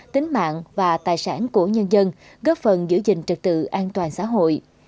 tính mạng và tài sản của nhân dân góp phần giữ gìn trực tự an toàn xã hội